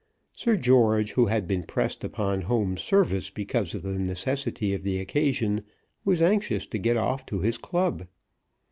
Sir George, who had been pressed upon home service because of the necessity of the occasion, was anxious to get off to his club.